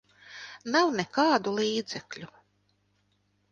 Nav nekādu līdzekļu.